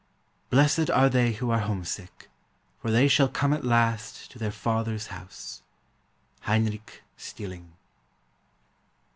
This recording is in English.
"Blessed are they who are homesick, for they shall come at last to their Father's house." HEINRICH STILLING.